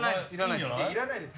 いらないです。